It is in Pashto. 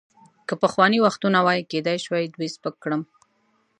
که پخواني وختونه وای، کیدای شوای دوی سپک کړم.